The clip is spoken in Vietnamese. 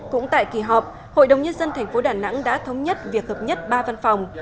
cũng tại kỳ họp hội đồng nhân dân tp đà nẵng đã thống nhất việc hợp nhất ba văn phòng